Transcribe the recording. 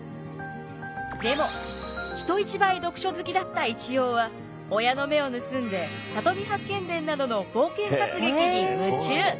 でも人一倍読書好きだった一葉は親の目を盗んで「里見八犬伝」などの冒険活劇に夢中。